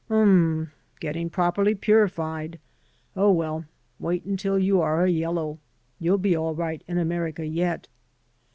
"Um, getting properly purified. Oh, well, wait until you are a yellow. You'll be all right in America yet."